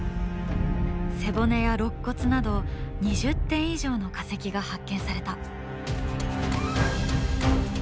背骨や肋骨など２０点以上の化石が発見された。